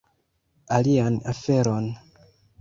Alian aferon